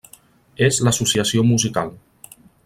És l'associació musical.